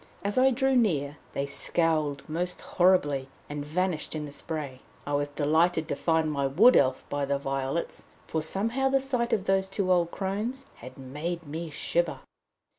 As I drew near they scowled most horribly, and vanished in the spray. I was delighted to find my Wood Elf by the violets, for somehow the sight of those two old crones had made me shiver.